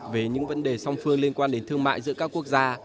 về những vấn đề song phương liên quan đến thương mại giữa các quốc gia